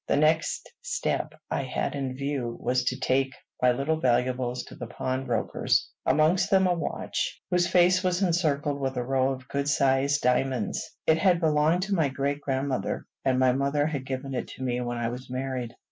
The next step I had in view was to take my little valuables to the pawnbroker's, amongst them a watch, whose face was encircled with a row of good sized diamonds. It had belonged to my great grandmother, and my mother had given it me when I was married.